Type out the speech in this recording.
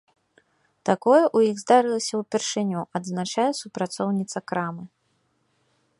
Такое ў іх здарылася ўпершыню, адзначае супрацоўніца крамы.